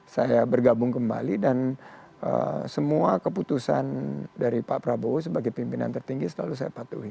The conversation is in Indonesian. saya bergabung kembali dan semua keputusan dari pak prabowo sebagai pimpinan tertinggi selalu saya patuhi